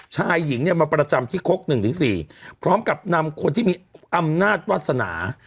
ชายหญิงเนี่ยมาประจำที่คก๑๔พร้อมกับนำคนที่มีอำนาจวาสนา